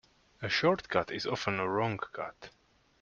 A short cut is often a wrong cut.